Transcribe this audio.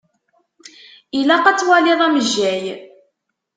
Ilaq ad twaliḍ amejjay.